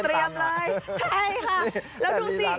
เด็กชายเสิร์ฟเต้นตัง